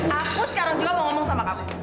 aku sekarang juga mau ngomong sama kamu